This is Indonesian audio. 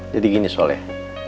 jadi gini soleh